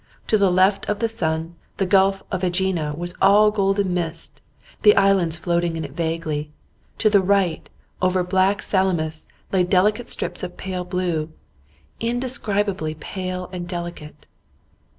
To the left of the sun, the gulf of Aegina was all golden mist, the islands floating in it vaguely. To the right, over black Salamis, lay delicate strips of pale blue indescribably pale and delicate.